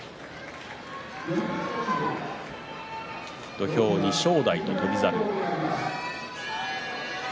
土俵に正代と翔猿。